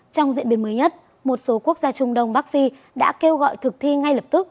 trong diễn biến mới nhất một số quốc gia trung đông bắc phi đã kêu gọi thực thi ngay lập tức